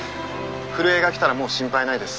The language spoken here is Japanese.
震えが来たらもう心配ないです。